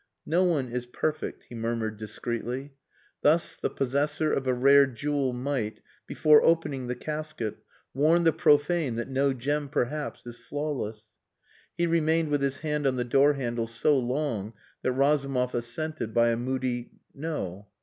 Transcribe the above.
"No one is perfect," he murmured discreetly. Thus, the possessor of a rare jewel might, before opening the casket, warn the profane that no gem perhaps is flawless. He remained with his hand on the door handle so long that Razumov assented by a moody "No."